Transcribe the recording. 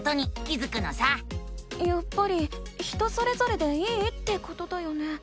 やっぱり人それぞれでいいってことだよね？